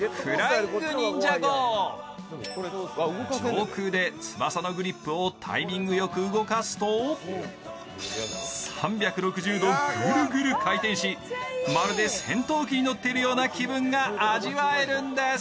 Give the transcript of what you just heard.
上空で翼のグリップをタイミングよく動かすと３６０度ぐるぐる回転しまるで戦闘機に乗っているような気分が味わえるんです。